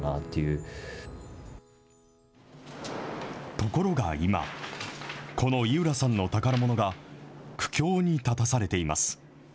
ところが今、この井浦さんの宝ものが、苦境に立たされています。